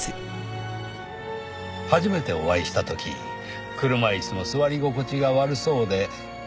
初めてお会いした時車椅子の座り心地が悪そうで。